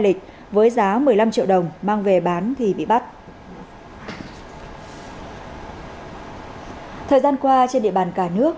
lịch với giá một mươi năm triệu đồng mang về bán thì bị bắt thời gian qua trên địa bàn cả nước